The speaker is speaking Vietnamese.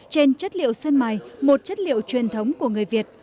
trên chất liệu sơn mài một chất liệu truyền thống của người việt